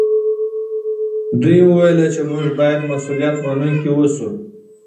دوی وویل چې موږ باید مسوولیت منونکي اوسو.